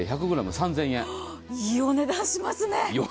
いいお値段しますね。